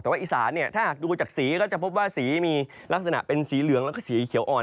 แต่ว่าอีสานเนี่ยถ้าหากดูจากสีก็จะพบว่าสีมีลักษณะเป็นสีเหลืองแล้วก็สีเขียวอ่อน